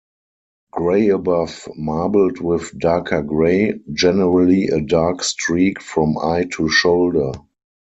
Grey above, marbled with darker grey; generally a dark streak from eye to shoulder.